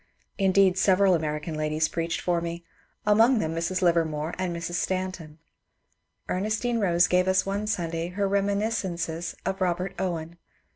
Indeed, several American ladies preached for me, — among them Mrs. Livermore and Mrs. Stanton. Ernestine Bose gave us one Sunday her rem iniscences of Bobert Owen.